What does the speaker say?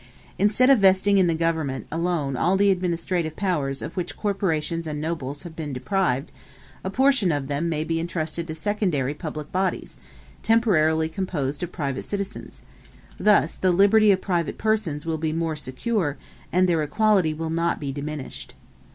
Instead of vesting in the government alone all the administrative powers of which corporations and nobles have been deprived, a portion of them may be entrusted to secondary public bodies, temporarily composed of private citizens: thus the liberty of private persons will be more secure, and their equality will not be diminished.